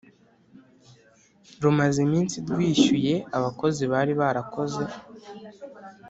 Rumaze iminsi rwishyuye abakozi bari barakoze